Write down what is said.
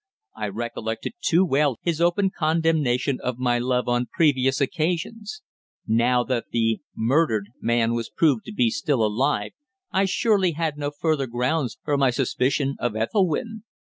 I recollected too well his open condemnation of my love on previous occasions. Now that the "murdered" man was proved to be still alive, I surely had no further grounds for my suspicion of Ethelwynn.